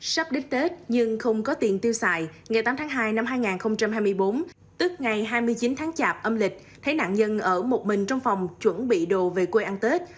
sắp đến tết nhưng không có tiền tiêu xài ngày tám tháng hai năm hai nghìn hai mươi bốn tức ngày hai mươi chín tháng chạp âm lịch thấy nạn nhân ở một mình trong phòng chuẩn bị đồ về quê ăn tết